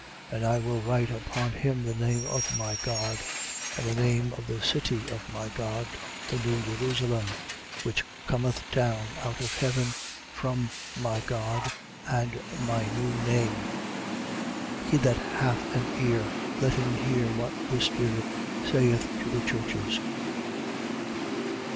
And I will write upon him the name of my God and the name of the city of my God, the new Jerusalem, which cometh down out of heaven from my God, and my new name. 3:13. He that hath an ear, let him hear what the Spirit saith to the churches.